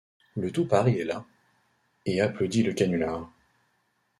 Le Tout-Paris est là, et applaudit le canular.